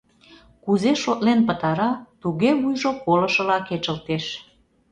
Кузе шотлен пытара, туге вуйжо колышыла кечылтеш.